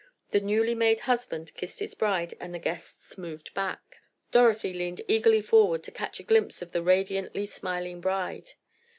The newly made husband kissed his bride, and the guests moved back. Dorothy leaned eagerly forward to catch a glimpse of the radiantly smiling bride.